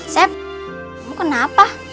sep kamu kenapa